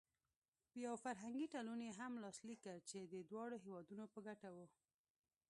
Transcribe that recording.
یو فرهنګي تړون یې هم لاسلیک کړ چې د دواړو هېوادونو په ګټه و.